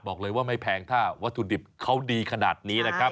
บอกเลยว่าไม่แพงถ้าวัตถุดิบเขาดีขนาดนี้นะครับ